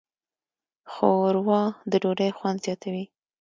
ښوروا د ډوډۍ خوند زیاتوي.